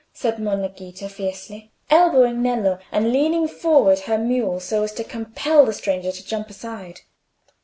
said Monna Ghita, fiercely, elbowing Nello, and leading forward her mule so as to compel the stranger to jump aside.